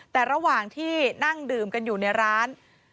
แต่ระหว่างที่นั่งดื่มกันอยู่ในร้าน